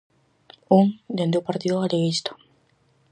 Un, dende o Partido Galeguista.